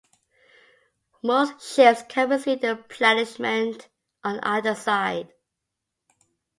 Most ships can receive replenishment on either side.